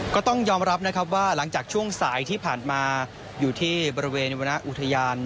ก็ต้องยอมรับนะครับว่าหลังจากช่วงสายที่ผ่านมาอยู่ที่บริเวณวรรณอุทยาน